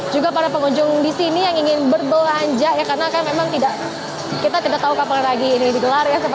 juga para pengunjung di sini yang ingin berbelanja ya karena kan memang kita tidak tahu kapan lagi ini digelar ya